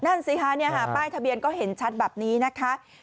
นั่นสิคะป้ายทะเบียนก็เห็นชัดแบบนี้นะคะ